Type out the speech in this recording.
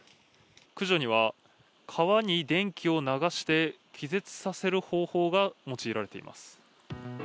駆除には、川に電気を流して気絶させる方法が用いられています。